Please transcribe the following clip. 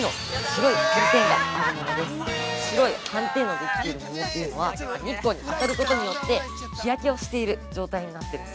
白い斑点ができている桃というのは、日光に当たることによって、日焼けをしている状態になっている。